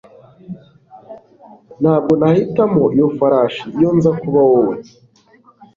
ntabwo nahitamo iyo farashi iyo nza kuba wowe